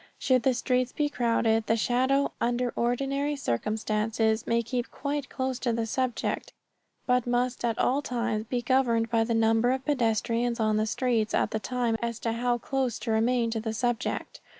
Should the streets be crowded, the shadow, under ordinary circumstances, may keep quite close to the subject, but must at all times be governed by the number of pedestrians on the streets at the time as to how close to remain to the subject.